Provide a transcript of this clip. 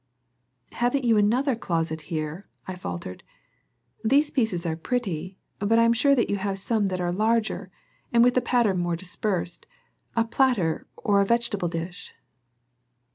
"Haven't you another closet here?" I faltered. "These pieces are pretty, but I am sure you have some that are larger and with the pattern more dispersed a platter or a vegetable dish."